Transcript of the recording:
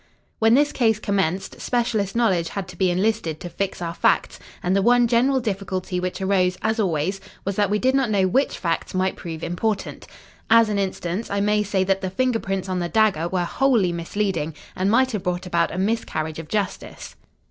"When this case commenced, specialist knowledge had to be enlisted to fix our facts and the one general difficulty which arose as always, was that we did not know which facts might prove important. As an instance, I may say that the finger prints on the dagger were wholly misleading, and might have brought about a miscarriage of justice.